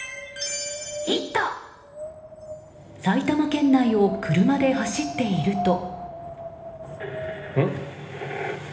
埼玉県内を車で走っていると。